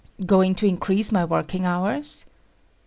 "Going to increase my working hours?"